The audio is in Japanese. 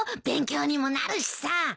勉強にもなるしさ。